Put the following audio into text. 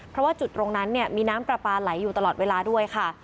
เพราะว่าจุดตรงนั้นมีน้ำปลาปลาไหลอยู่ตลอดเวลาด้วยค่ะ